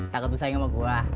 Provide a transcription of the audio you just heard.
takut lu saing sama gua